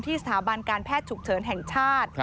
สถาบันการแพทย์ฉุกเฉินแห่งชาติ